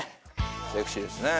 セクシーですね。